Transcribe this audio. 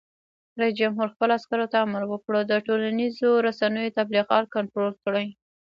رئیس جمهور خپلو عسکرو ته امر وکړ؛ د ټولنیزو رسنیو تبلیغات کنټرول کړئ!